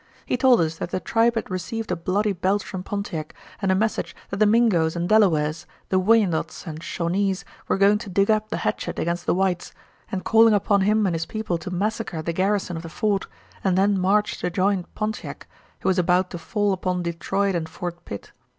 He told us that the tribe had received a bloody belt from Pontiac and a message that the Mingoes and Delawares, the Wyandots and Shawnees were going to dig up the hatchet against the whites, and calling upon him and his people to massacre the garrison of the fort and then march to jine Pontiac, who was about to fall upon Detroit and Fort Pitt.